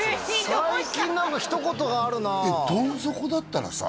最近何か一言があるなどん底だったらさ